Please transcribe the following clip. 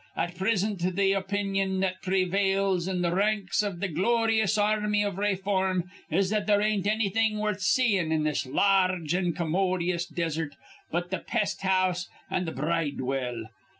At prisint th' opinion that pre vails in th' ranks iv th' gloryous ar rmy iv rayform is that there ain't annything worth seein' in this lar rge an' commodyous desert but th' pest house an' the bridewell.